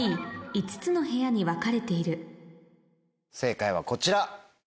正解はこちら。